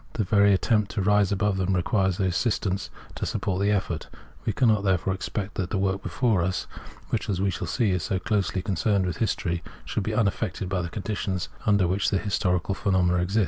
The very attempt to rise above them requires their assistance to support the effort. We cannot, therefore, expect that the work before us, which, as we shall see, is so closely concerned with history, should be unaffected by the conditions imder which historical phenomena exist.